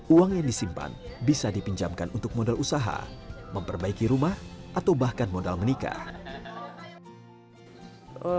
uang yang disimpan bisa dipinjamkan untuk modal usaha memperbaiki rumah atau bahkan modal menikah